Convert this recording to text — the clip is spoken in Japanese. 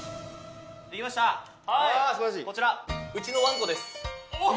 できましたこちらうちのワンコですおおっ！